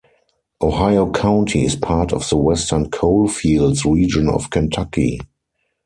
Ohio County is part of the Western Coal Fields region of Kentucky.